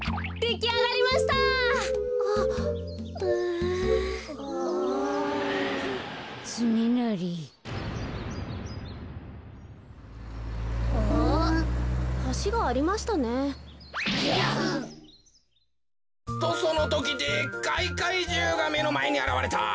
ぎゃふん。とそのときでっかいかいじゅうがめのまえにあらわれた。